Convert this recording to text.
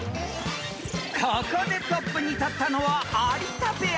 ［ここでトップに立ったのは有田ペア］